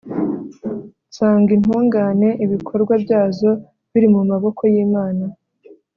nsanga intungane'ibikorwa byazo biri mu maboko y'imana